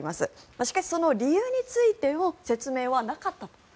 しかし、その理由についての説明はなかったと。